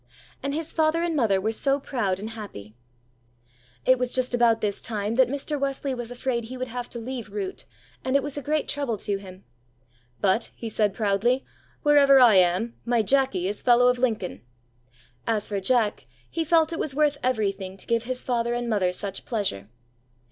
And his father and mother were so proud and happy. It was just about this time that Mr. Wesley was afraid he would have to leave Wroote, and it was a great trouble to him. "But," he said, proudly, "wherever I am, my Jacky is Fellow of Lincoln." As for Jack, he felt it was worth everything to give his father and mother such pleasure.